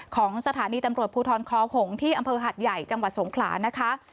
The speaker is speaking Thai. ของสถานีตำรวจภูทรคอหงที่อำเภอหัดใหญ่จังหวัดสงขลานะคะ